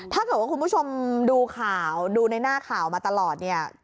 ถ้าเกิดว่าคุณผู้ชมดูข่าวดูในหน้าข่าวมาตลอดเนี่ย